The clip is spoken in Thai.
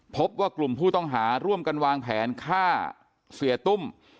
พบว่ากลุ่มผู้ต้องหาร่วมกันวางแผนฆ่าเสียตุ้ม